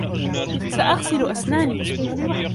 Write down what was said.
سأغسل أسناني.